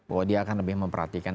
bahwa dia akan lebih memperhatikan